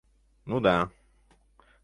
— Ну да!